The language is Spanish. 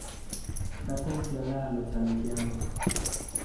Está confiada a los salesianos.